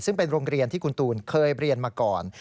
ซึ่งเป็นโรงเรียนที่คุณตูนเคยเรียนมาก่อน